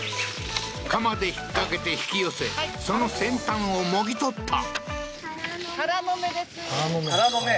鎌で引っ掛けて引き寄せ、その先端をもぎ取った。